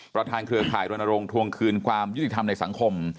เครือข่ายรณรงค์ทวงคืนความยุติธรรมในสังคม